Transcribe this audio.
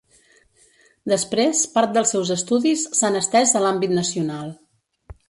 Després, part dels seus estudis s'han estès a l'àmbit nacional.